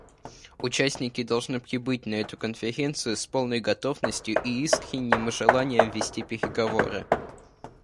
Участники должны прибыть на эту конференцию с полной готовностью и искренним желанием вести переговоры.